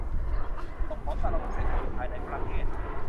ที่ส่งผลต่อระบบเศรษฐกิจภายในประเทศ